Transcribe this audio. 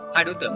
hai đối tượng